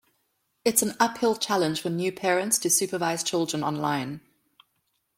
It is an uphill challenge for new parents to supervise children online.